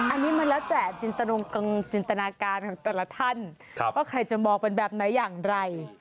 อันนี้มันแล้วแต่จินตนาการของแต่ละท่านว่าใครจะมองเป็นแบบไหนอย่างไร